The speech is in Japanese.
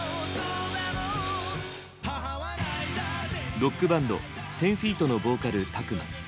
ロックバンド１０−ＦＥＥＴのボーカルＴＡＫＵＭＡ。